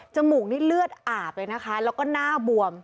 มูกนี่เลือดอาบเลยนะคะแล้วก็หน้าบวม